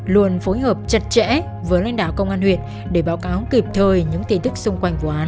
luôn phối hợp chặt chẽ với lãnh đạo công an huyện để báo cáo kịp thời những tin tức xung quanh vụ án